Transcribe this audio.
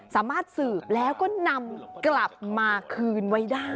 สามารถสืบแล้วก็นำกลับมาคืนไว้ได้